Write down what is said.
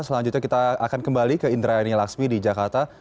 selanjutnya kita akan kembali ke indra ani laksmi di jakarta